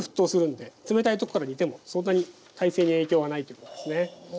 冷たいとこから煮てもそんなに大勢に影響はないと思いますね。